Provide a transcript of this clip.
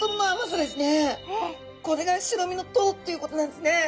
これが白身のトロっていうことなんですね！